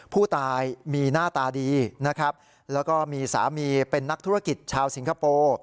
ผู้ตายมีหน้าตาดีนะครับแล้วก็มีสามีเป็นนักธุรกิจชาวสิงคโปร์